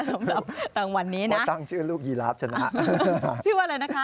สำหรับรางวันนี้นะพอตั้งชื่อลูกยีราฟชนะนะครับ